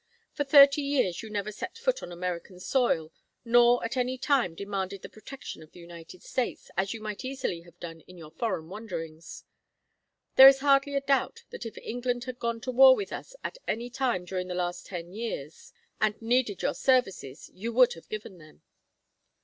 For thirty years you never set foot on American soil, nor at any time demanded the protection of the United States, as you might easily have done in your foreign wanderings. There is hardly a doubt that if England had gone to war with us at any time during the last ten years and needed your services you would have given them.